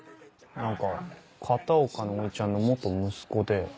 何か片岡のおじちゃんの息子で。